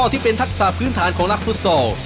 ที่เป็นทักษะพื้นฐานของนักพุทธศาสตร์